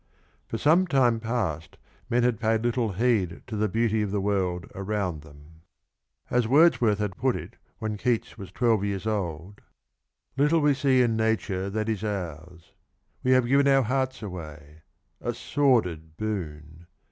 For some time past men had paid little heed to the beauty of the world around them. As Words worth had put it when Keats was twelve years old : Little we see in Nature that is ours; We have. given our hearts away — a sordid boon